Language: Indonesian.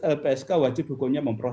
lpsk wajib hukumnya memperoleh